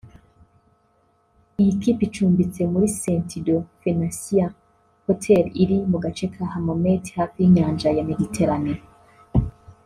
Iyi kipe icumbitse muri Sentido Phenicia Hotel iri mu gace ka Hammamet hafi y’inyanja ya Méditerranée